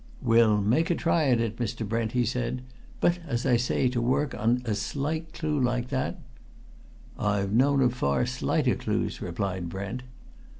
"We'll make a try at it, Mr. Brent," he said. "But, as I say, to work on a slight clue like that " "I've known of far slighter clues," replied Brent.